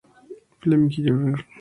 Fleming Jr.